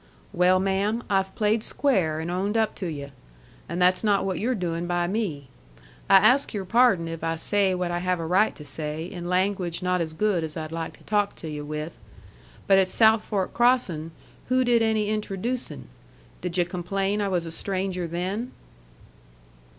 "Well, ma'am, I've played square and owned up to yu'. And that's not what you're doin' by me. I ask your pardon if I say what I have a right to say in language not as good as I'd like to talk to yu' with. But at South Fork Crossin' who did any introducin'? Did yu' complain I was a stranger then?"